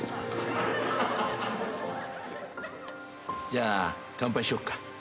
じゃあ乾杯しよっか。